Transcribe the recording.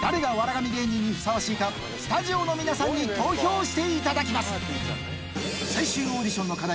神芸人にふさわしいかスタジオの皆さんに投票していただきます